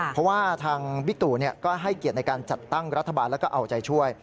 เพราะว่าทางบิ๊กตู่ก็ให้เกียรติในการจัดตั้งรัฐบาลแล้วก็เอาใจช่วย